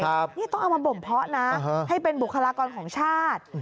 นี่ต้องเอามาบ่มเพาะนะให้เป็นบุคลากรของชาติ